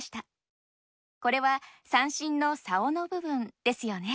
これは三線の棹の部分ですよね。